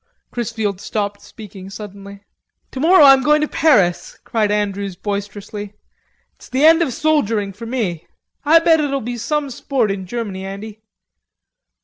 Chrisfield stopped speaking suddenly. "Tomorrow I'm going to Paris," cried Andrews boisterously. "It's the end of soldiering for me." "Ah bet it'll be some sport in Germany, Andy....